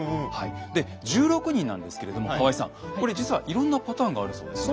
で１６人なんですけれども河合さんこれ実はいろんなパターンがあるそうですね。